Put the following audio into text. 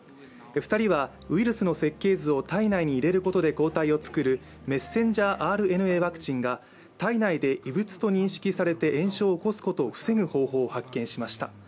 ２人はウイルスの設計図を体内に入れることで抗体を作るメッセンジャーＲＮＡワクチンが体内で異物と認識されて炎症を起こすことを防ぐ方法を発見しました。